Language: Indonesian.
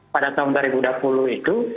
pada tahun dua ribu dua puluh itu